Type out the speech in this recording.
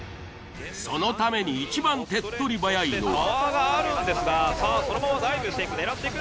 そのためにいちばん手っ取り早いのは。